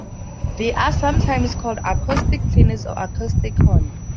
They are sometimes called acoustic cleaners or acoustic horns.